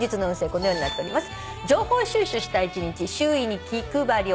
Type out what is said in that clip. このようになっております。